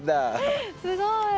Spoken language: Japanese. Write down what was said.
すごい！